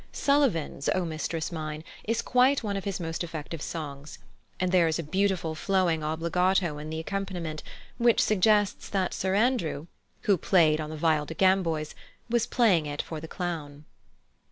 +Sullivan's+ "O mistress mine" is quite one of his most effective songs; and there is a beautiful flowing obbligato in the accompaniment which suggests that Sir Andrew, who played on the "viol de gamboys," was playing it for the Clown.